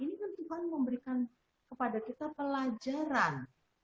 ini kan tuhan memberikan kepada kita pelajaran